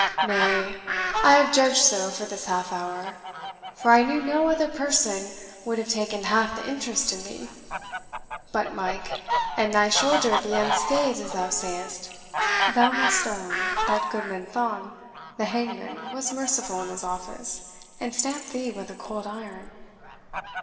Nay, I have judged so for this half hour; for I knew no other person would have ta'en half the interest in thee. But, Mike, an thy shoulder be unscathed as thou sayest, thou must own that Goodman Thong, the hangman, was merciful in his office, and stamped thee with a cold iron."